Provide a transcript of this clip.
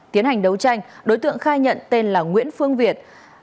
tiến hành đấu tranh đối tượng khai nhận tên là nguyễn phương việt